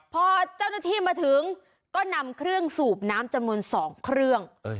พอเจ้าหน้าที่มาถึงก็นำเครื่องสูบน้ำจำนวน๒เครื่อง